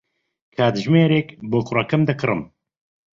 کاتژمێرێک بۆ کوڕەکەم دەکڕم.